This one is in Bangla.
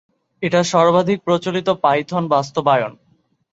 এটা সর্বাধিক প্রচলিত পাইথন বাস্তবায়ন।